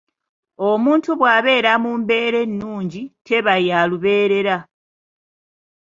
Omuntu bw'abeera mu mbeera ennungi teba ya lubeerera.